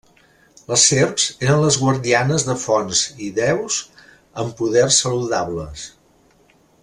Les serps eren les guardianes de fonts i deus amb poders saludables.